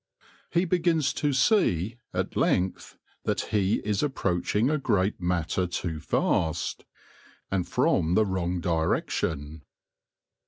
He begins to see, at length, that he is ap proaching a great matter too fast, and from the wrong direction.